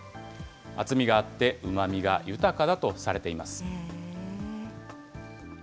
厚みがあってうまみが豊かだとされています。